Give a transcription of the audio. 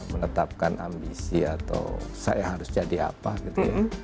menetapkan ambisi atau saya harus jadi apa gitu ya